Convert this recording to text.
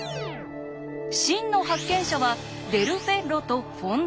真の発見者はデル・フェッロとフォンタナ。